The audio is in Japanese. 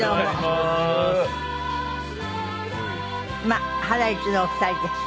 まあハライチのお二人です。